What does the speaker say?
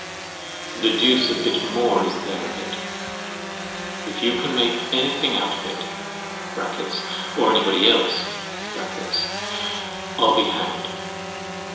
The deuce a bit more is there of it. If you can make anything out of it (or any body else) I'll be hanged.